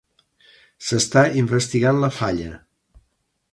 S'està investigant la falla.